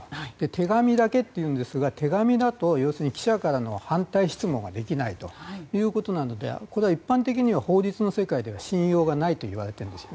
手紙だけというんですが手紙だと要するに記者からの反対質問ができないということなのでこれは一般的には法律の世界では信用がないと言われています。